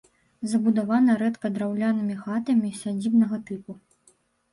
Забудавана рэдка драўлянымі хатамі сядзібнага тыпу.